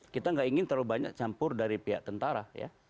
kita nggak ingin terlalu banyak campur dari pihak tentara ya